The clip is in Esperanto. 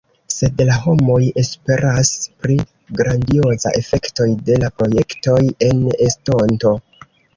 Sed la homoj esperas pri grandiozaj efektoj de la projektoj en estonto.